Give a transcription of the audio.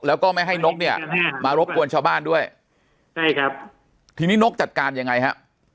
แล้วก็ไม่ให้นกเนี่ยมารบกวนชาวบ้านด้วยใช่ครับทีนี้นกจัดการยังไงฮะ